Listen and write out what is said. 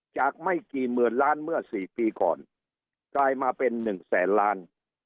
ไม่กี่หมื่นล้านเมื่อสี่ปีก่อนกลายมาเป็น๑แสนล้าน